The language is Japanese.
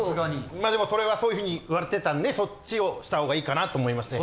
まあでもそれはそういうふうに言われてたんでそっちをした方がいいかなっと思いまして。